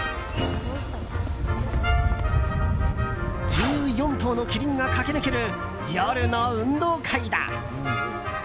１４頭のキリンが駆け抜ける夜の運動会だ。